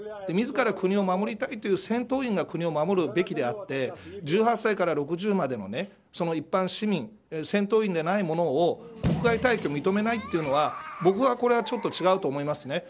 自ら国を守りたいという戦闘員が国を守るべきであって１８歳から６０歳までの一般市民戦闘員でないものを国外退去認めないというのは僕はちょっと違うと思います。